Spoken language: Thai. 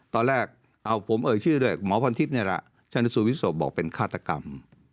ตอนแรกเอาผมเอ่ยชื่อด้วยหมอพรทิพย์นี่แหละชนสูตรวิศพบอกเป็นฆาตกรรม